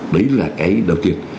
đấy là cái đầu tiên